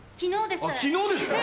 昨日ですか？